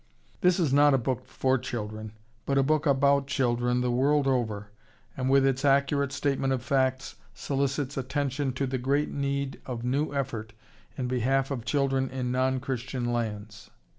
This is not a book for children, but a book about children the world over, and with its accurate statement of facts solicits attention to the great need of new effort in behalf of children in non Christian lands.